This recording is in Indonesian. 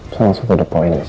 dan itu berlepas